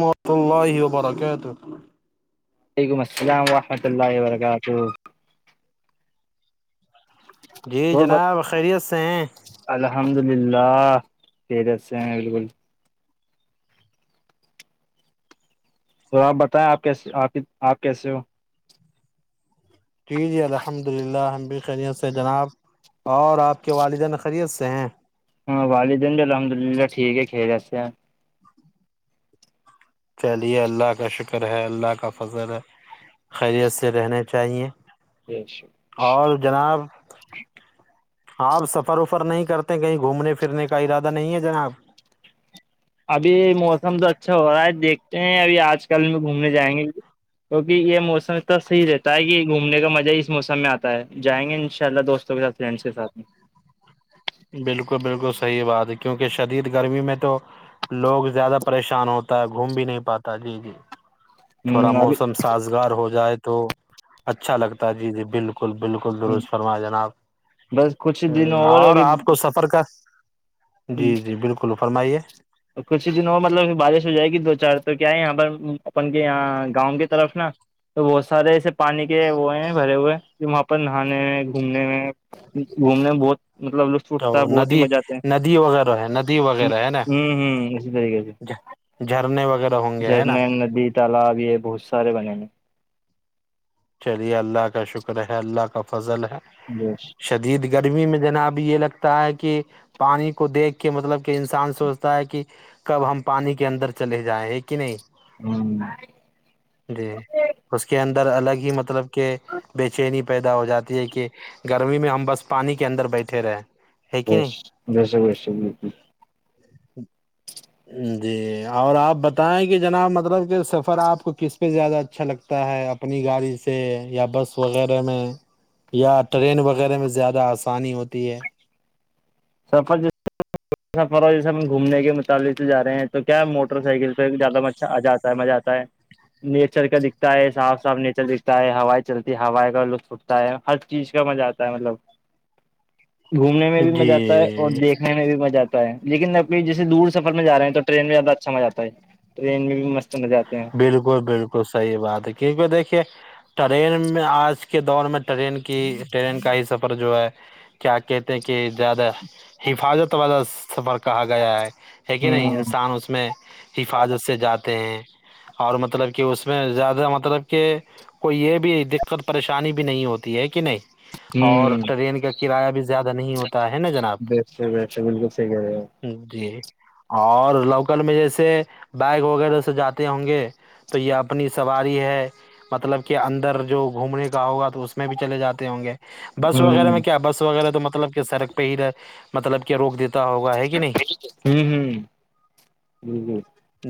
ماشء اللہ وبر کہتے وعلیکم السلام ورحمۃ اللہ وبرکاتہ جی وہ بس جناب خیریت سے ہیں الحمد للہ خریت سے ہیں بالکل تو آپ بتائیں آپ کیسے آپ آپ کیسے ہو جی جی الحمد للہ ہم بھی خیریت سے جناب اور آپ کے والدین خیریت سے ہیں ہاں والدین ج الحمد للہ ٹھیک ہے کھی جس سے ہیں چلیے اللہ کا شکر ہے اللہ کا فضر ہے خیریت سے رہنے چاہیے [unintelligible] اور جناب آپ سفر وفر نہیں کرتے کہیں گھومنے پھرنے کا ارادہ نہیں ہے جنا آب ابھی موسم تو اچھا ہو رہا ہے دیکھتے ہیں ابھی آج کل میں گھومنے جائیں گے کیونکہ یہ موسم اتنا صحیح رہتا ہے کہ گھومنے کا مزہ ہی اس موسم میں آتا ہے جائیں گے ان شاء اللہ دوستوں کے ساتھ فرینڈس کے ساتھ میں بالکل بالکل صحیح بات ہے کیونکہ شدید گرمی میں تو لوگ زیادہ پریشان ہوتا ہے گھوم بھی نہیں پاتا جی جی تھوڑا ہ ابھی موسم سازگار ہو جائے تو اچھا لگتا جی جی بالکل بالکل بالکل ہوں، درست فرما جناب بس کچھ ہ دن اور ابھی آپ کو سفر کا جی جی بالکل فرمائیے کچھ ہی دنوں مطلب بارش ہو جائے گی دو چار تو کیا ہے یہاں پر اپن کے یہاں گاؤں کی طرف نا تو بہت سارے ایسے پانی کے وہ ہیں بھرے ہوئے جو وہاں پر نہانے میں گھومنے میں گھومنے میں بہت مطلب لطف اٹھتا ہے اور بہت ہی ندی مزہ آتے ہیں ندی وغیرہ ہے ندی ہ وغیرہ ہے نا ہوں ہوں اسی طریقے سے جھرنے وغیرہ ہو جھرنے ندی تالاب یہ بہت سارے بنے ہیں چلیے اللہ کا شکر ہے اللہ کا فضل ہے جیس شدید گرمی میں جنا اب یہ لگتا ہے کہ پانی کو دیکھ کے مطلب کہ انسان سوچتا ہے کہ کب ہم پانی کے اندر چلے جائیں ہیں کہ نہیں ہوں جی اس کے اندر الگ ہی مطلب کہ بے چینی پیدا ہو جاتی ہے کہ گرمی میں ہم بس پانی کے اندر بیٹھے رہے ہے کہ نہیں بس بیس جی اور آپ بتائیں کہ جناب مطلب کہ سفر آپ کو کس سبہ زیادہ اچھا لگتا ہے اپنی گاڑی سے یا بس وغیرہ میں یا ٹرین وغیرہ میں زیادہ آسانی ہوتی ہے سرفر سفر اور جیسے ہم گھومنے کے متعلق سے جا رہے ہیں تو کیا موٹر سائیکل پہ زیادہ مچ آ جات مزہ آتا ہے نیچر کا دکھتا ہے صاف صاف نیچر دکھتا ہے ہائی چلتی ہے ہائی کا لوگ ہر چیز کا مزہ آتا ہے مطلب گھومنے میں بھی مزہ آتا جی دیکنے میں بھی مزہ آتا ہے لیکنب جسے دور سفر میں جاے ہیں تو ٹرین میں زیادہ اچھا مزہ آتا ہے ٹرین میں بھی مست مزے آتے ہیں بالکل بالکل صحیح بات ہے کیونکہ دیکھیے ٹرین میں آج کے دور میں ٹرین کی ٹرین کا ہی سفر جو ہے کیا کہتے ہیں کہ زیادہ حفاظت والا سفر کہا گیا ہے ہے کہ ہوں نہیں انسان اس میں حفاظت سے جاتے ہیں اور مطلب کہ اس میں زیادہ مطلب کہ کوئی یہ بھی دقت پریشانی بھی نہیں ہوتی ہے کہ نہیں اور ہوں ٹرین کا کیا کرایہ بھی زیادہ نہیں ہوتا ہے نا جناب ویسے ویسے بالکل صحیح کہہ رہے ہو جی اور لوکل میں جیسے بگ وغیرہ سے جاتے ہوں گے تو یہ اپنی سواری ہے مطلب کہ اندر جو گھومنے کا ہوگا تو اس میں بھی چلے جاتے ہوں گے بس وغیرہ ہوں میں کیا بس وغیرہ تو مطلب کہ سڑک پہ ہی مطلب کہ روک دیتا ہوگا ہے کہ نہیں جی جی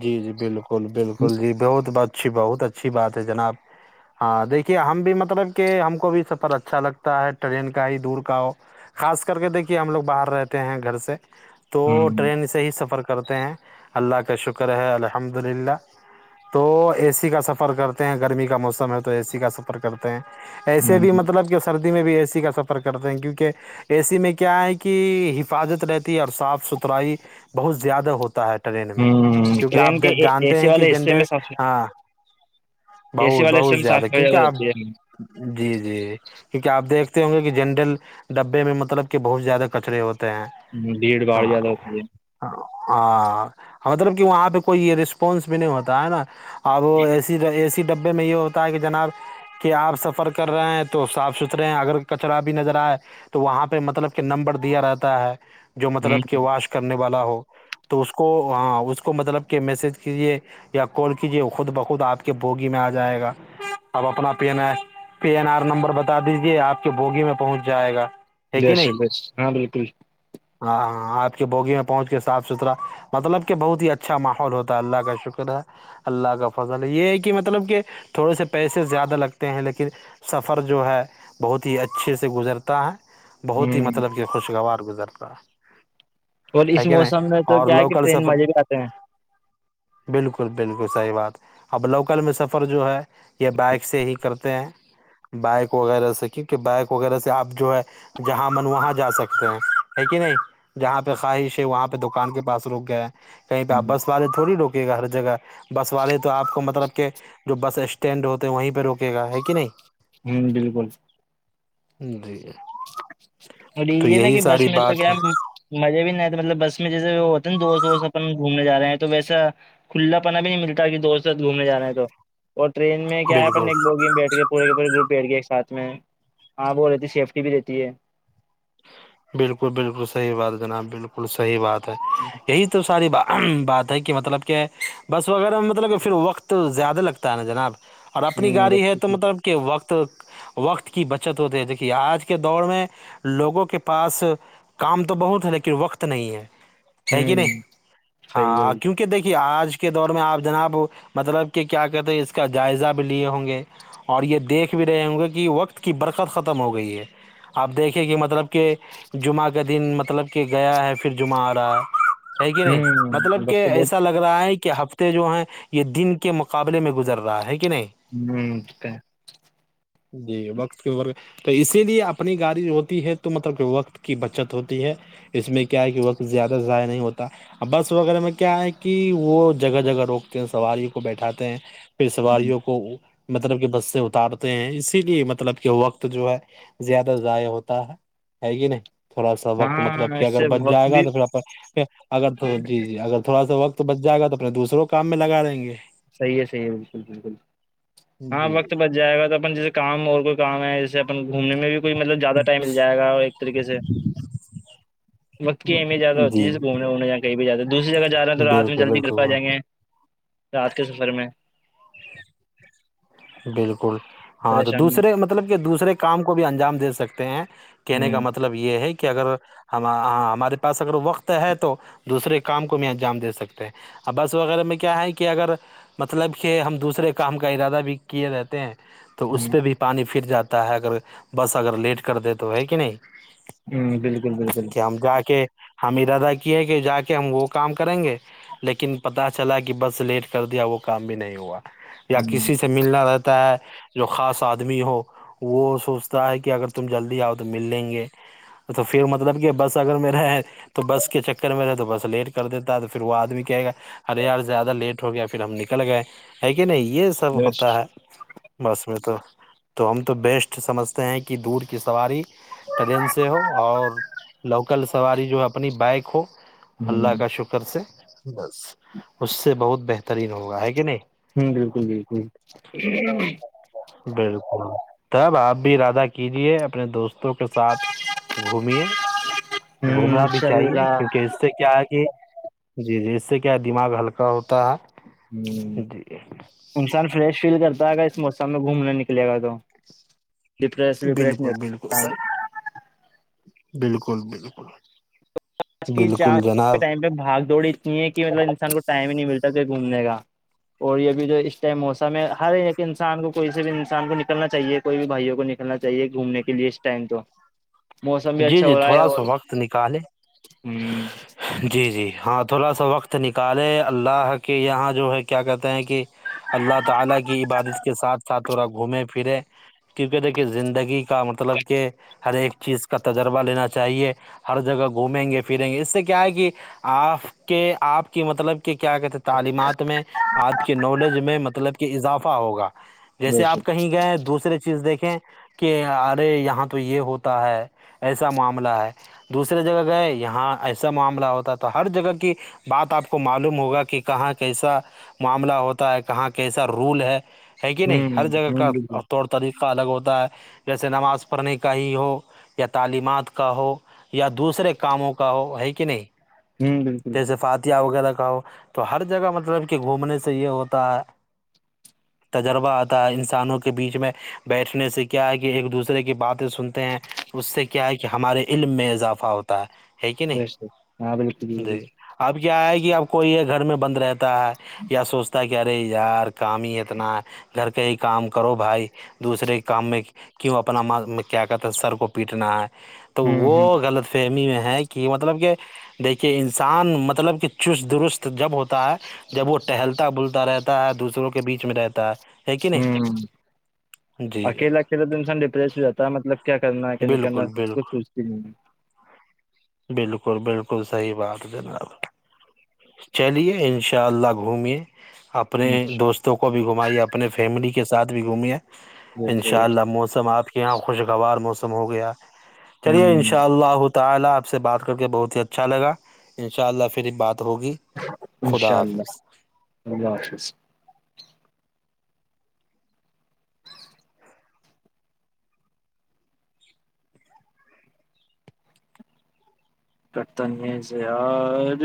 جی جی بالکل بالکل جی بہت اچھی بہت اچھی بات ہے جناب ہاں دیکھیے ہم بھی مطلب کہ ہم کو بھی سفر اچھا لگتا ہے ٹرین کا ہی دور کا ہو خاص کر کے دیکھیے ہم لوگ باہر رہتے ہیں گھر سے تو ہوں ٹرین سے ہی سفر کرتے ہیں اللہ کا شکر ہے الحمد عحد للہ تو اے سی کا سفر کرتے ہیں گرمی کا موسم ہے تو اے سی کا سفر کرتے ہیں ایسے ہوں بھی مطلب کہ سردی میں بھی اے سی کا سفر کرتے ہیں کیونکہ ایسی میں کیا ہے کہ حفاظت رہتی ہے اور صاف ستھرائی بہت زیادہ ہوتا ہے ٹرین میں ہوں کیونکہ آپ ٹرین کے اے جانتے سی ہیں کہ والے جنڈ حصے میں صاف ہاں اے سی بہ والے حصے بہت میں صاف زیادہ صفائی کیونکہ آپ رہتی ہے جی جی کیونکہ آ دیکھتے ہوں گے کہ جنرل ڈبے میں مطلب کہ بہت زیادہ کچرے ہوتے ہیں ہ بھیڑ باڑ زیادہ ہوتی ہے ہاں ہاں مطلب کہ وہاں پہ کوئی یہ رسپانس بھی نہیں ہوتا ہے نا اب ہے وہ ایسی ایسی ڈبے میں یہ ہوتا ہے کہ جناب کہ آپ سفر کر رہے ہیں تو صاف ستھرے ہیں اگر کچرا بھی نظر آئے تو وہاں پہ مطلب کہ نمبر دیا رہتا ہے جو ہوں مطلب کہ واش کرنے والا ہو تو اس کو ہاں اس کو مطلب کہ میسج کیجیے یا کال کیجے خود بخود آپ کے بوگی میں آ جائے گا آپ اپنا پی آ پی این آر نمبر بتا دیجیے آپ کے بوگی میں پہنچ جائے گا ہے کہ دش نہیں د ہاں بالکل ہاں ہاں آپ کے بوگی میں پہنچ کے صاف ستھرا مطلب کہ بہت ہی اچھا ماحول ہوتا اللہ کا شکر ہے اللہ کا فضل یہ ہے کہ مطلب کہ تھوڑے سے پیسے زیادہ لگتے ہیں لیکن سفر جو ہے بہت ہی اچھے سے گزرتا ہے بہت ہی ہوں مطلب کہ خوشگوار گزرتا اور ہے اس کہ نہیں موسم میں تو اور کیا ہے کہ لوکل ٹرین سفر مزے بھی آتے ہیں بالکل بالکل صحیح بات اب لوکل میں سفر جو ہے یہ بائک سے ہی کرتے ہیں بائک وغیرہ سے کیونکہ بائک وغیرہ سے آپ جو ہے جہاں من وہاں جا سکتے ہو ہے کہ نہیں جہاں پہ خواہش ہے وہاں پہ دکان کے پاس رک گیا کہیں پہ آپ بس والے تھوڑی روکے گا ہر جگہ بس والے تو آپ کو مطلب کہ جو بس اسٹینڈ ہوتے ہیں وہیں پہ روکے گا ہے کہ نہیں ہوں بالکل ج جی تو اورلیجے نا یہی کہ بس ساری میں تو بات کیا ہے مزے بھی نہیں آتے مطلب بس میں جیسے وہ ہوتے ہیں نا دوست وست اپن گھومنے ج رہے ہیں تو ویسا کھلا پنا بھی نہیں ملتا کہ دوست ساتھ گھومنے جانے ہے تو اور ٹرین میں کیا ہے بالکل پنے ایک لوگ بیٹھ کے پورے کے پورے گروپ پیٹ گئے ایک ساتھ میں ہاں وہ رہتی ہے سیفٹی بھی رہتی ہے بالکل بالکل صحیح بات جناب بالکل صحیح بات ہے ہوں ہی تو ساری بات ہے کہ مطلب کہ بس وغیرہ مطلب کہ پھر وقت زیادہ لگتا نا جناب اور اپنی ہوں گاڑی ہے رکھتی تو تھی. مطلب وقت وقت کی بچت ہوتے ہے دیکھیے آج کے دور میں لوگوں کے پاس کام تو بہت ہے لیکن وقت نہیں ہے ہے کہ نہیں ہوں صحیح ہے ہاں کی کہ دیکھیے آج کے دور میں آپ جناب مطلب کہ کیا کہتے ہیں اس کا جائزہ بھی لیے ہوں گے اور یہ دیکھ بھی رہے ہوں گے کہ وقت کی برکت ختم ہو گئی ہے آپ دیکھیں کہ مطلب کہ جمعہ کا دن مطلب کہ گیا ہے پھر جمعہ آ رہا ہے ہے کہ نہیں ہوں مطلب بس کہ تو بہت ایسا لگ رہا ہے کہ ہفتے جو ہیں یہ دن کے مقابلے میں گزر رہا ہے کہ نہیں ہوں اھ جی وقت کے اور تو اسی لیے اپنی گاڑی ہوتی ہے [unintelligible] تو مطلب کہ وقت کی بچت ہوتی ہے اس میں کیا ہے کہ وقت زیادہ ضائع نہیں ہوتا [unintelligible] بس وغیرہ میں کیا ہے کہ وہ جگہ جگہ روکتے ہیں سواریوں کو بیٹھاتے ہیں پھر سواریوں کو مطلب کہ بس سے اتارتے ہیں اسی لیے مطلب کہ وقت جو ہے زیادہ ضائع ہوتا ہے ہے گ نہیں تھوڑا سا وقت ہاں مطلب کہ اس اگر سے بچ وقت جائے گا بھی تو پھر اگر جی جی اگر تھوڑا سا وقت [unintelligible] تو بچ جائے گا تو اپنے دوسروں کام میں لگا دیں گے [unintelligible] صحیح ہے صحیح ہے بالکل بالکل ہاں جی وقت بچ جائے گا تو اپن جیسے [unintelligible] کام اور کوئی کام ہے جیسے اپن گھومنے میں بھی کوئی مطلب زیادہ ٹائم مل جائے گا اور ایک طریقے سے [unintelligible] [unintelligible] وق کی اہمیتیاہ ہوتی جی ہے جسے گھنےومنے یا کہیں جاتے دوسری جگہاے ہیں تو رات میں بالکل جلدی کرل بالکل پائےائیں گے [unintelligible] رات کے سفر میں بالکل ہاں تو پریشانی دوسرے مط کہنے میں کا مطلب یہ ہے کہ اگر ہم ہاں ہمارے پاس اگر وقت ہے تو دوسرے کام کو بھی انجام دے سکتے ہیں ا بس وغیرہ میں کیا ہے کہ اگر مطلب کہ ہم دوسرے کام کا ارادہ بھی کیے رہتے ہیں تو اس ہ پہ بھی پانی پھر جاتا ہے اگر بس اگر لیٹ کر د تو ہے کہ نہیں ہوں بالکل بالکل کہ ہم جا کے ہم ارادہ کی ہے کہ جا کے ہم وہ کام کریں گے لیکن پتا چلا کہ بس لیٹ کر دیا وہ کام بھی نہیں ہوا یا ہ کسی سے ملنا رہتا ہے جو خاص آدمی ہو وہ سوچتا ہے کہ اگر تم جلدی آؤ تو مل لیں گے تو پھر مطلب کہ بس اگر میر رہا ہے تو بس کے چکر میں رہ تو بس لیٹ کر دیتا ہے تو پھر وہ آدمی کہے گا ارے یار زیادہ لیٹ ہو گیا پھر ہم نکل گئے ہے کہ نہیں یہ سب ہوتا بیسٹ ہے بس میں تو تو ہم تو بیسٹ سمجھتے ہیں کہ دور کی سواری [unintelligible] ٹرین سے ہو اور لوکل سواری جو اپنی بائک ہو ہ اللہ کا شکر سے بس اس سے بہت بہترین ہوگا ہے کہ نہیں ہوں بالکل بالکل بالکل تب آپ بھی ارادہ کیجیے اپنے دوست دووں کے ساتھ گھمیے ہ گھومنا بھی چاہیے شرلا کیونکہ اس سے کیا ہے کہ [unintelligible] جی جی اس سے کیا دماغ ہلکا ہوتا ہے [unintelligible] ہ جی انسان فریش فیل کرتا ہےا اس موسم میں گھومنا نکلے گا تو [unintelligible] ڈپریس وپریشن بالکل بالکل صحیح [unintelligible] بالکل بالکل آج کی چار بالکل کے جناب ٹائم پہ بھاگ دوڑی اتنی ہے کہ مطلب انسان کو ٹائم ہی نہیں ملتا تھ گھومنے کا اور یہ بھی جو اس ٹائم موسم ہے ہر ایک انسان کو کوئی سے بھی انسان کو نکلنا چاہیے کوئی بھی بھائیوں کو کرنا چاہیے گھومنے کے لیے اس ٹائم تو موسم بھی اچھا ہو رہا ہے اور تو نکالے ہوں [unintelligible] جی جی ہاں تھوڑا سا وقت نکالے اللہ کے یہاں جو ہے کیا کہتے ہیں کہ اللہ تعالی کی عبادت کے ساتھ تھڑا گھومے پھرے کیونکہ دیکھیے زندگی کا مطلب کہ ہر ایک چیز کا تجربہ لینا چاہیے ہر جگہ گھومیں گے پھریں گے اس سے کیا ہے کہ آپ کے آپ کی مطلب کہ کیا کہتے ہیں تعلیمات میں آپ کے نالج میں مطلب کہ اضافہ ہوگا بے جیسے آپ شک کہیں گئے دوسریے چیز دیکھیں کہ ارے یہاں تو یہ ہوتا ہے ایسا معاملہ ہے دوسرے جگہ گئے یہاں ایسا معاملہ ہوتا تو ہر جگہ کی بات آپ کو معلوم ہوگا کہ کہاں کیسا معاملہ ہوتا ہے کہاں کیسا رول ہے ہے کہ ہ نہیں ہ ہر جگہ کا بالکل توڑ طریقہ الگ ہوتا ہے جیسے نماز پڑھنے کا ہی ہو یا تعلیمات کا ہو یا دوسرے کاموں کا ہو ہے کہ نہیں ہ بالکل جیسے فاتیہہ وغیرہ کا ہو تو ہر جگہ مطلب کہ گھومنے سے یہ ہوتا ہے تجربہ آتا ہے انسانوں کے بیچ میں بیٹھنے سے کیا ہے کہ ایک دوسرے کی بات سنتے ہیں اس سے کیا ہے کہ ہمارے علم میں اضافہ ہوتا ہےک بے شک ہاں بالکل نہیں بالکل اب کیا ہے کہ اب کوئی یہ گھر میں بند رہتا ہے یا سوچتا ہے کہ ارے یار کام ہی اتنا گھر کا ہی کام کرو بھائی دوسرے کے کام میں کیوں اپنا کیا کہتے سر کو پیٹنا ہے تو ہ وہ ہ غلط فہمی میں ہے کہ مطلب کہ دیکھیے انسان مطلب کہ چست درست جب ہوتا ہے جب وہ ٹہلتا بولتا رہتا ہے دوسروں کے بیچ میں رہتا ہے ہے کہ نہیں ہوں جی اکیلا پھر تو انسان ڈپریس ہو جاتا ہے مطلب کیا کرنا ہے کیا نہیں کرنا بالکل اس کھ بالکل سوچتی نہیں ہے بالکل بالکل صحی بات جناب چلیے ان شاء اللہ گھومے آپ اپنے دوستوں کو بھی گھمائیے اپنے فیملی کے ساتھ بھی گھومے ہ ان شاء اللہ موسم آپ کے یہاں خوشگوار موسم ہو گیا چلیے ان شاءلہ ان شاء اللہ تعالی آپ سے بات کر کے بہت ہی اچھا لگا ان شاء اللہ پھر یہ بات ہوگی خدا انشاء اللہ حافظ اللہ حافظ کرتن سےیاار